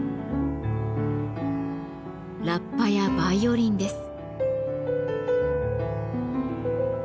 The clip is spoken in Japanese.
ラッパやバイオリンです。